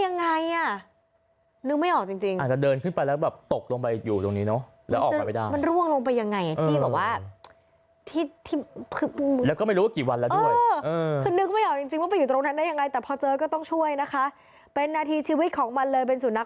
น้องหมาเห็นหมา